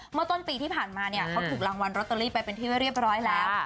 เมื่อต้นปีที่ผ่านมาเนี่ยเขาถูกรางวัลลอตเตอรี่ไปเป็นที่เรียบร้อยแล้ว